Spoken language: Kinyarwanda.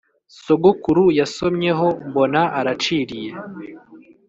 Sogokuru yasomyeho mbona araciriye